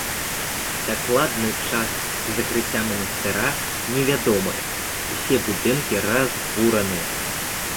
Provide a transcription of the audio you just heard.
Дакладны час закрыцця манастыра невядомы, усе будынкі разбураны.